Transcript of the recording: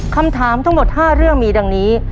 คำถามทั้งหมด๕เรื่องมีดังนี้